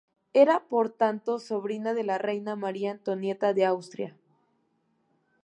Era por tanto sobrina de la reina María Antonieta de Austria.